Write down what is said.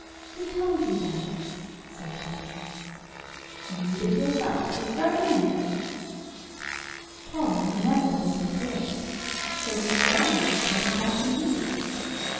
"Who told you that?" said Tom. "You did yourself, this very minute." Tom had never opened his lips; so he was very much taken aback indeed.